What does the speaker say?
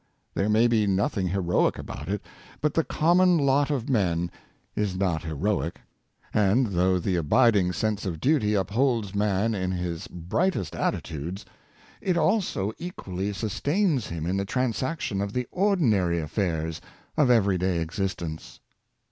There may be nothing heroic about it; but the common lot of men is not heroic. And though the abiding sense of duty upholds man in his highest atti tudes, it also equally sustains him in the transaction of the ordinary affairs of every day existence.